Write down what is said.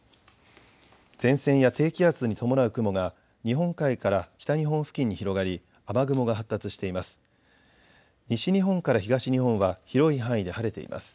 前線や低気圧に伴う雲が日本海から北日本付近に広がり雨雲が発達しています。